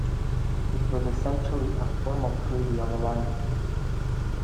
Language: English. It was essentially a formal treaty of alliance.